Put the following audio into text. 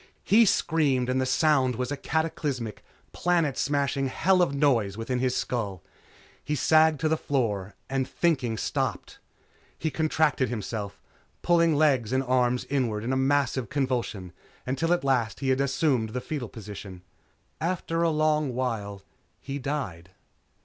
He screamed and the sound was a cataclysmic, planet smashing hell of noise within his skull. He sagged to the floor and thinking stopped. He contracted himself, pulling legs and arms inward in a massive convulsion until at last he had assumed the foetal position. After a long while, he died.